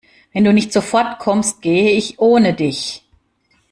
Wenn du nicht sofort kommst, gehe ich ohne dich.